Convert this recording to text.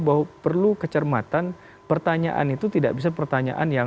bahwa perlu kecermatan pertanyaan itu tidak bisa pertanyaan yang